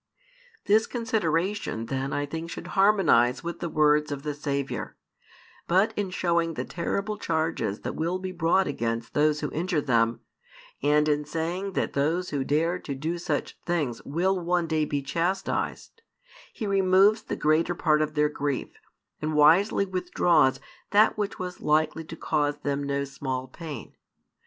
This consideration then I think should harmonize with the words of the Saviour; but in showing the terrible charges that will be brought against those who injure them, and in saying that those who dare to do such things will one day be chastised, He removes the greater part of their grief and wisely withdraws that which was likely to cause them no small pain.